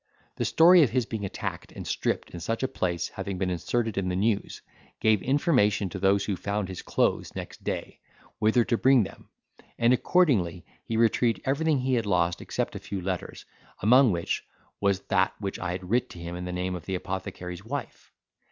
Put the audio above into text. The story of his being attacked and stripped in such a place having been inserted in the news, gave information to those who found his clothes next day, whither to bring them; and accordingly he retrieved everything he had lost except a few letters, among which was that which I had writ to him in the name of the apothecary's wife.